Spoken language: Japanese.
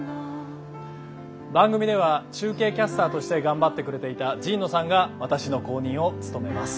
番組では中継キャスターとして頑張ってくれていた神野さんが私の後任を務めます。